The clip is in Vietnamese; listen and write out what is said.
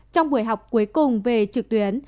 trong buổi học cuối cùng về trực tuyến